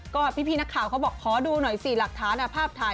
ก็พี่นักข่าวเขาบอกขอดูหน่อยสิหลักฐานภาพถ่าย